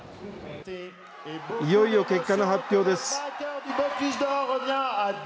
いよいよ結果の発表です。